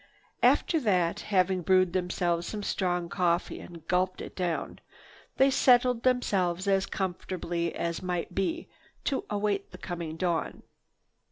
After that, having brewed themselves some strong coffee and gulped it down, they settled themselves as comfortably as might be to await the coming dawn.